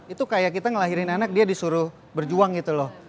itu kayak kita ngelahirin anak dia disuruh berjuang gitu loh